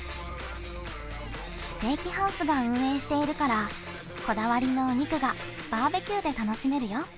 ステーキハウスが運営しているから、こだわりのお肉がバーベキューで楽しめるよ。